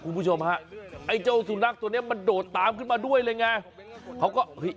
คุณผู้ชมฮะไอ้เจ้าสุนัขตัวเนี้ยมันโดดตามขึ้นมาด้วยเลยไงเขาก็เฮ้ย